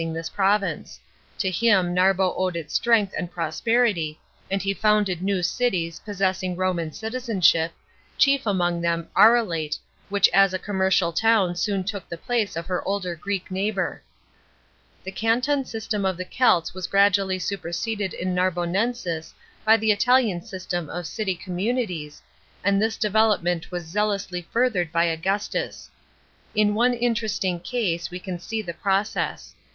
ing this province. To him Narbo owed its strength and prosperity, and he founded new cities, possessing Roman citizenship, chief among them Arelate which as a commercial town soon took the place of her older Greek neighbour. The canton system of the Celts was gradually super sede! in Narbonensis by ttie Italian system of city communities, and this development was zealously furthered by Augustus. In one interesting case we can see the process.